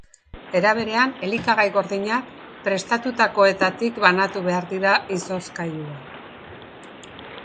Era berean, elikagai gordinak prestutakoengandik banatu behar dira izozgailuan.